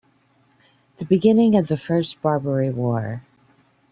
The beginning of the First Barbary War.